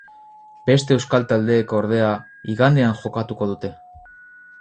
Beste euskal taldeek, ordea, igandean jokatuko dute.